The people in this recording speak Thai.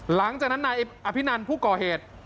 หลังจากนั้นนายอภินันผู้ก่อเหตุ